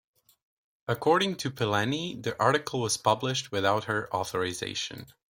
According to Pileni, the article was published without her authorization.